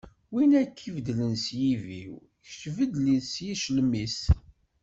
Win i ak-ibeddlen s yibiw, kečč beddel-it s yiclem-is.